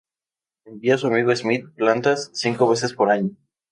Envía a su amigo Smith plantas, cinco veces por año.